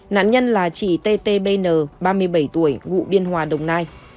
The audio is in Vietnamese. nạn nhân là chị t t b n ba mươi bảy tuổi ngụ biên hòa đồng nai